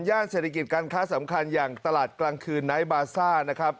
เศรษฐกิจการค้าสำคัญอย่างตลาดกลางคืนไนท์บาซ่านะครับ